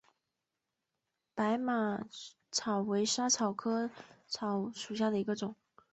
白马薹草为莎草科薹草属下的一个种。